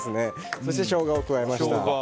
そしてショウガを加えました。